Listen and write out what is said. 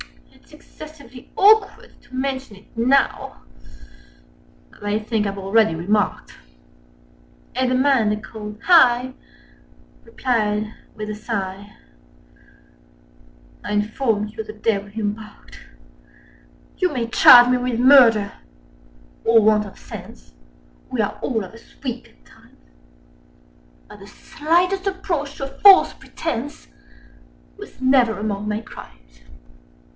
"It's excessively awkward to mention it now— Â Â Â Â As I think I've already remarked." And the man they called "Hi!" replied, with a sigh, Â Â Â Â "I informed you the day we embarked. "You may charge me with murder—or want of sense— Â Â Â Â (We are all of us weak at times): But the slightest approach to a false pretence Â Â Â Â Was never among my crimes!